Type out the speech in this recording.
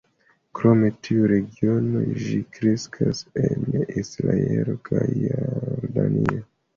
Krom tiu regiono, ĝi kreskas en Israelo kaj Jordanio.